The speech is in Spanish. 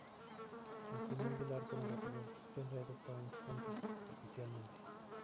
Al final del arco narrativo, Henry adopta a Punky oficialmente.